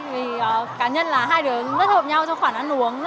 vì cá nhân là hai đứa rất hợp nhau trong khoản ăn uống